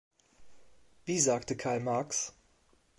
Wie sagte Karl Marx?